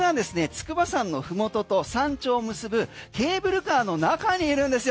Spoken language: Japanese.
筑波山の麓と山頂を結ぶケーブルカーの中にいるんです。